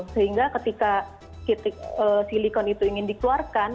sehingga ketika titik silikon itu ingin dikeluarkan